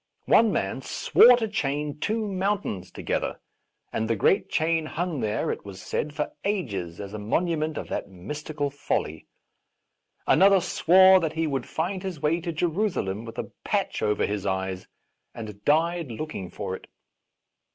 One man swore to chain two mountains to gether, and the great chain hung there, it was said, for ages as a monument of that mystical folly. Another swore that he would find his way to Jerusalem with a patch over his eyes, and died looking for it.